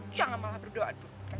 jangan malah berdua dua